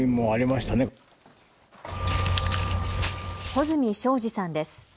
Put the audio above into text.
穂積昭治さんです。